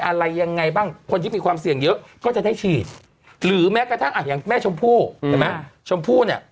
อะไรยังไงบ้างคนที่มีความเสี่ยงเยอะก็จะได้ฉีดหรือแม้กระทั่งอย่างแม่ชมพู่